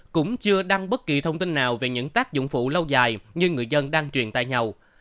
cũng chưa đăng bất kỳ thông tin nào về những tác dụng phụ lâu dài như người dân đang truyền tại nhau